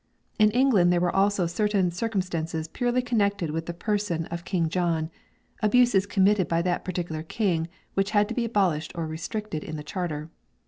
In England there were also certain circumstances purely connected with the person of King John, abuses committed by that particular King which had to be abolished or restricted in the Charter.